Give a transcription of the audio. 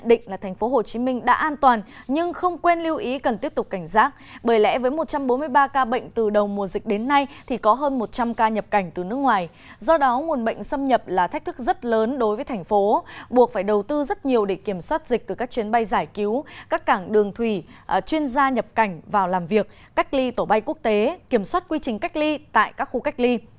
do đó nguồn bệnh xâm nhập là thách thức rất lớn đối với thành phố buộc phải đầu tư rất nhiều để kiểm soát dịch từ các chuyến bay giải cứu các cảng đường thủy chuyên gia nhập cảnh vào làm việc cách ly tổ bay quốc tế kiểm soát quy trình cách ly tại các khu cách ly